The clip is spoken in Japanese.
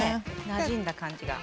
なじんだ感じが。